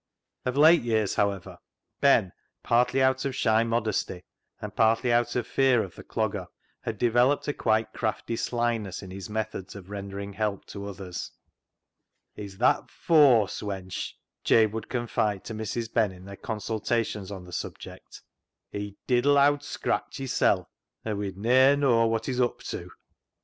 Of late years, however, Ben, partly out of shy modesty, and partly out of fear of the Clogger, had developed a quite crafty slyness in his methods of rendering help to others. " He's that fawse [cunning], wench," Jabe would confide to Mrs. Ben in their consultations on the subject, " He'd diddle Owd Scratch hissel', an' we ne'er knaw wot he's up to."